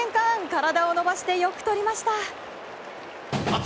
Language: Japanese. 体を伸ばして、よくとりました！